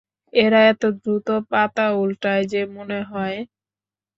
এরা এত দ্রুত পাতা উল্টায় যে মনে হয়।